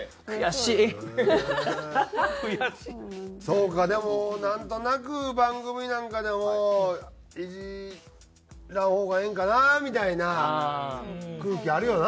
そうかでもなんとなく番組なんかでもイジらんほうがええんかなみたいな空気あるよな。